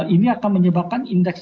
ini akan menyebabkan indeks